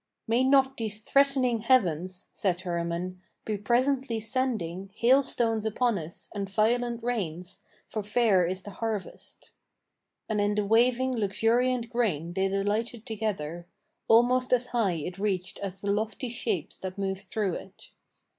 "May not these threatening heavens," said Hermann, "be presently sending Hailstones upon us and violent rains; for fair is the harvest." And in the waving luxuriant grain they delighted together: Almost as high it reached as the lofty shapes that moved through it.